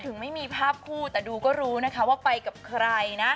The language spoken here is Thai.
ถึงไม่มีภาพคู่แต่ดูก็รู้นะคะว่าไปกับใครนะ